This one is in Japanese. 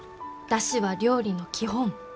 出汁は料理の基本。